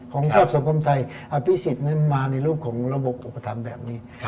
ของความสังคมไทยอภิษฐฯนั้นมาในรูปของระบบอุปธรรมแบบนี้